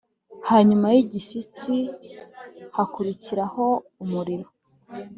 Hanyuma yigishyitsi hakurikiraho umuriro